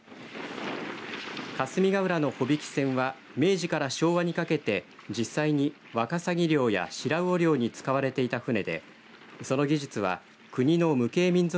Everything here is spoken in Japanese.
霞ヶ浦の帆引き船は明治から昭和にかけて実際にワカサギ漁やシラウオ漁に使われていた船でその技術は国の無形民俗